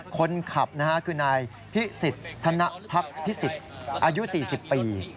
คนขับคือนายพิศิษฐ์ธนพพภิษฐ์อายุ๔๐ปี